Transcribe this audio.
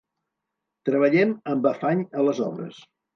Treballem amb afany a les obres.